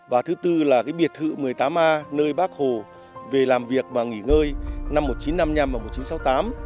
và thứ tư là cái biệt thự một mươi tám a nơi bác hồ về làm việc và nghỉ ngơi năm một nghìn chín trăm năm mươi năm và một nghìn chín trăm sáu mươi tám